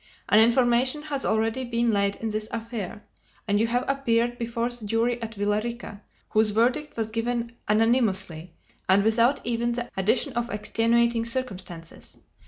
An information has already been laid in this affair, and you have appeared before the jury at Villa Rica, whose verdict was given unanimously, and without even the addition of extenuating circumstances.